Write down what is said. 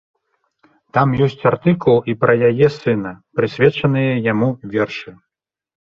Там ёсць артыкул і пра яе сына, прысвечаныя яму вершы.